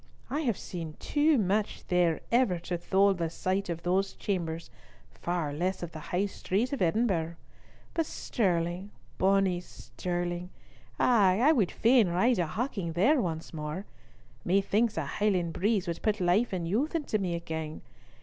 I have seen too much there ever to thole the sight of those chambers, far less of the High Street of Edinburgh; but Stirling, bonnie Stirling, ay, I would fain ride a hawking there once more. Methinks a Highland breeze would put life and youth into me again.